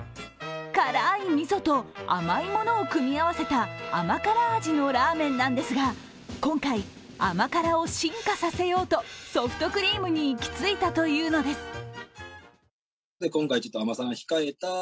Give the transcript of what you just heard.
辛いみそと甘いものを組み合わせた甘辛味のラーメンなんですが、今回、甘辛を進化させようとソフトクリームに行き着いたというのです。